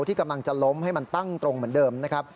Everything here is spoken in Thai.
ที่กำลังจะล้มให้มันตั้งตรงเหมือนเดิมนะครับ